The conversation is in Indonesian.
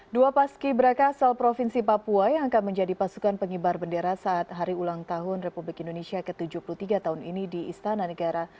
dua paski beraka asal provinsi papua yang akan menjadi pasukan pengibar bendera saat hari ulang tahun republik indonesia ke tujuh puluh tiga tahun ini di istana negara